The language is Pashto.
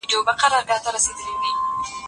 که تعلیم تجربه ورزده کړي، پوهه کمزورې نه کېږي.